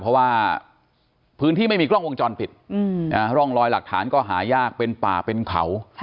เพราะว่าพื้นที่ไม่มีกล้องวงจรปิดร่องรอยหลักฐานก็หายากเป็นป่าเป็นเขา